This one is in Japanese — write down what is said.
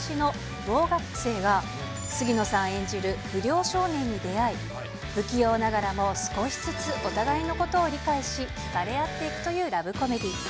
杉咲さん演じる、光と色がぼんやり分かる程度という弱視の盲学生が、杉野さん演じる不良少年に出会い、不器用ながらも少しずつお互いのことを理解し、引かれ合っていくというラブコメディー。